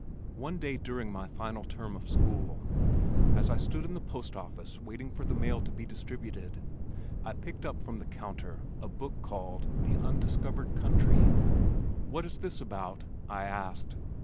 One day during my final term of school, as I stood in the postoffice waiting for the mail to be distributed, I picked up from the counter a book called The Undiscovered Country. "What is this about?" I asked.